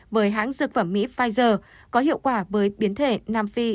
với hãng dược phẩm mỹ pfizer có hiệu quả với biến thể nam phi